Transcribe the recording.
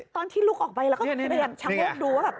ตอนที่ลุกออกไปแล้วก็เห็นดูว่าแบบ